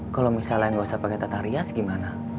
kalo misalnya gak usah pake tata rias gimana